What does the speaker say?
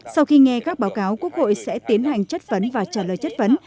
sau khi nghe các báo cáo quốc hội sẽ tiến hành chất vấn và trả lời chất vấn